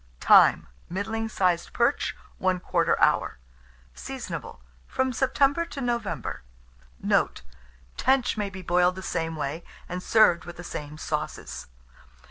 Time. Middling sized perch, 1/4 hour. Seasonable from September to November. Note. Tench may be boiled the same way, and served with the same sauces.